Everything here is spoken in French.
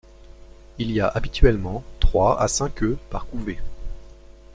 Il y a habituellement trois à cinq œufs par couvée.